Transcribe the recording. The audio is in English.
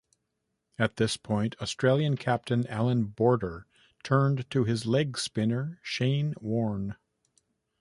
At this point, Australian captain Allan Border turned to his leg spinner, Shane Warne.